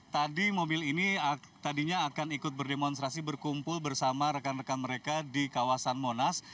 tadi mobil ini tadinya akan ikut berdemonstrasi berkumpul bersama rekan rekan mereka di kawasan monas